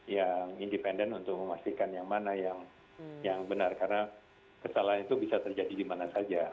yang independen untuk memastikan yang mana yang benar karena kesalahan itu bisa terjadi di mana saja